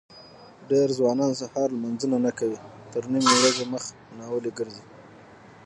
دېری ځوانان سهار لمنځونه نه کوي تر نیمې ورځې مخ ناولي ګرځي.